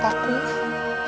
bukan bara benarkan firasat aku